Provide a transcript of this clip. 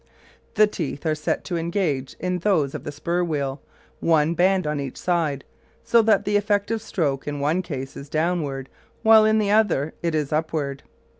The teeth are set to engage in those of the spur wheel, one band on each side, so that the effective stroke in one case is downward, while in the other it is upward.